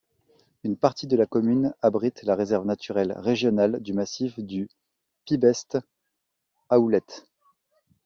Une partie de la commune abrite la réserve naturelle régionale du massif du Pibeste-Aoulhet.